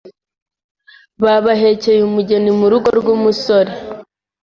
babahekeye umugeni mu rugo rw’umusore